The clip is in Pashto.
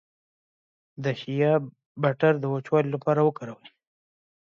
د شیا بټر د وچوالي لپاره وکاروئ